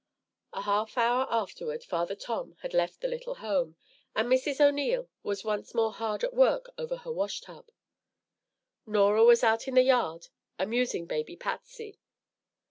A half hour afterward, Father Tom had left the little home, and Mrs. O'Neil was once more hard at work over her wash tub. Norah was out in the yard amusing baby Patsy.